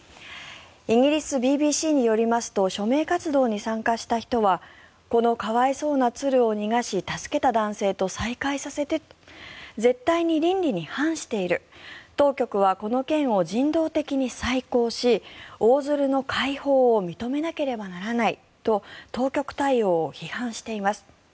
イギリス・ＢＢＣによりますと署名活動に参加した人はこの可哀想な鶴を逃がし助けた男性と再会させて絶対に倫理に反している当局はこの件を人道的に再考しオオヅルの解放を認めなければならないと当局対応を批判しています。